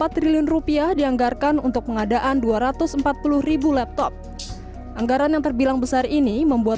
empat triliun rupiah dianggarkan untuk pengadaan dua ratus empat puluh laptop anggaran yang terbilang besar ini membuat